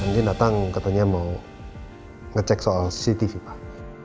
mungkin datang katanya mau ngecek soal cctv pak